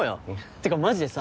てかマジでさ